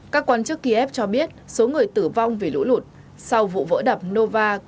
các quan chức kiev cho biết số người tử vong vì lũ lụt sau vụ vỡ đập nova